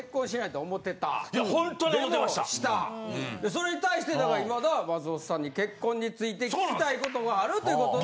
それに対して今田は松本さんに結婚について聞きたいことがあるということで。